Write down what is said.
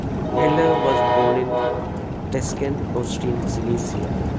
Heller was born in Teschen, Austrian Silesia.